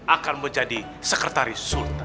akan menjadi sekretaris sultan